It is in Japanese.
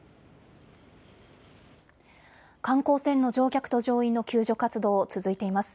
観光船の乗客と乗員の救助活動、続いています。